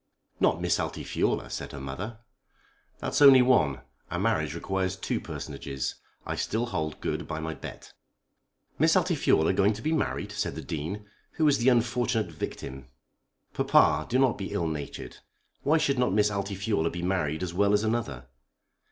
"Not Miss Altifiorla?" said her mother. "That's only one. A marriage requires two personages. I still hold good by my bet." "Miss Altifiorla going to be married!" said the Dean. "Who is the unfortunate victim?" "Papa, do not be ill natured. Why should not Miss Altifiorla be married as well as another?"